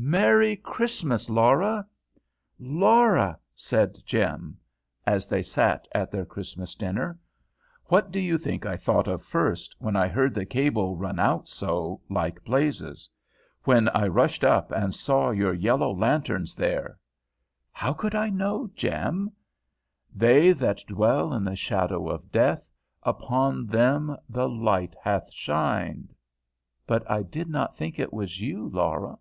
"Merry Christmas! Laura!" "Laura," said Jem, as they sat at their Christmas dinner, "what do you think I thought of first, when I heard the cable run out so like blazes; when I rushed up and saw your yellow lanterns there?" "How should I know, Jem?" "'They that dwell in the shadow of death, upon them the light hath shined.'" "But I did not think it was you, Laura."